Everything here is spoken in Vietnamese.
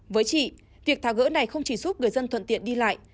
với chị việc tháo gỡ này không chỉ giúp người dân thuận tiện đi lại